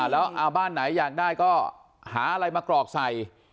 แล้วบ้านไหนอยากได้ก็หาอะไรมากรอกใส่